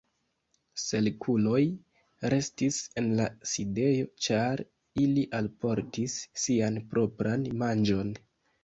Kelkuloj restis en la sidejo, ĉar ili alportis sian propran manĝon.